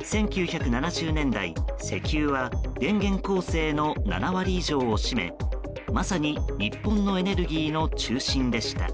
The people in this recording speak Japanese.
１９７０年代、石油は電源構成の７割以上を占めまさに日本のエネルギーの中心でした。